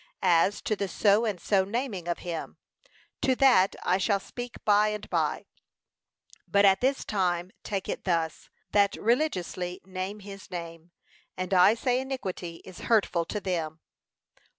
As to the so and so naming of him, to that I shall speak by and by, but at this time take it thus: That religiously name his name. And I say iniquity is hurtful to them.